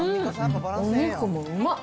お肉もうまっ。